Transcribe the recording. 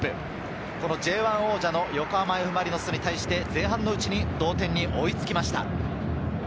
ＳＵＰＥＲＣＵＰ、Ｊ１王者の横浜Ｆ・マリノスに対して前半のうちに同点に追いつきました。